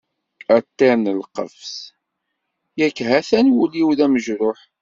A ṭṭir n lqefṣ, yak ha-t-an wul-iw d amejruḥ.